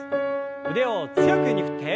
腕を強く上に振って。